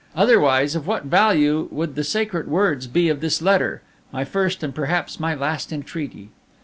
Otherwise, of what value would the sacred words be of this letter, my first and perhaps my last entreaty?